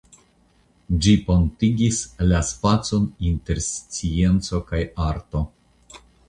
Ĝi pontigis la spacon inter scienco kaj arto.